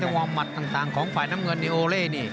แก้งจังหวามมัดต่างของฝ่ายน้ำเงินโอเล่นี่